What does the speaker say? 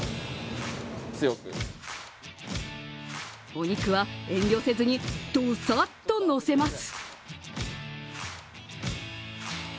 お肉は遠慮せずにドサッとのせます。